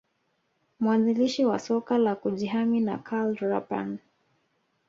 Mwanzilishi wa soka la kujihami ni Karl Rapan